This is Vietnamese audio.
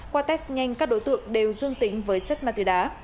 qua test nhanh các đối tượng đều dương tính với chất ma túy đá